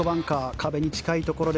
壁に近いところで。